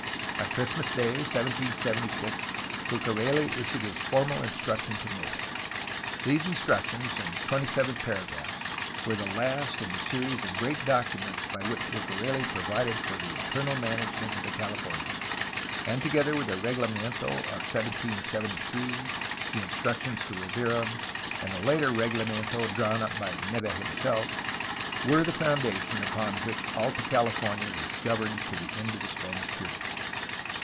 On Christmas Day 1776 Bucareli issued his formal instructions to Neve. These in structions, in twenty seven paragraphs, were the last in the series of great documents by which Bucareli provided for the internal management of the CaUfornias, and together with the reglamento of 1773, the instructions to Rivera, and a later reglamento drawn up by Neve himself were the foundation upon which Alta California was governed to the end of the Spanish period.